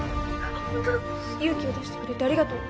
ホントだ「勇気を出してくれてありがとう」